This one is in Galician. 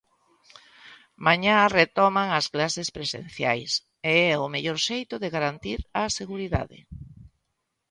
Mañá retoman as clases presenciais e é o mellor xeito de garantir a seguridade.